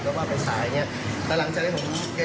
ก็เลยตั้งชื่อตามที่เขาว่าจะเปลี่ยนเป็นขาหมูแทน